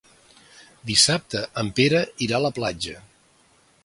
Dissabte en Pere irà a la platja.